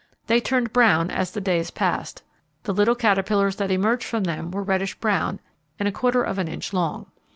They turned brown as the days passed. The little caterpillars that emerged from them were reddish brown, and a quarter of an inch long.